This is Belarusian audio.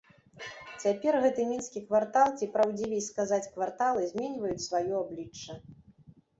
Цяпер гэты мінскі квартал ці, праўдзівей сказаць, кварталы зменьваюць сваё аблічча.